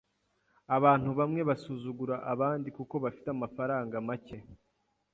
Abantu bamwe basuzugura abandi kuko bafite amafaranga make.